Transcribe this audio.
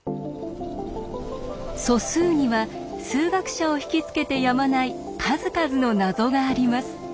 素数には数学者を引き付けてやまない数々の謎があります。